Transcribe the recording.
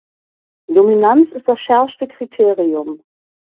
Dominanz ist das schärfste Kriterium.